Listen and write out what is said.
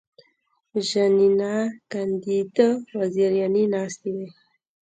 ژینینه کاندید وزیرانې ناستې وې.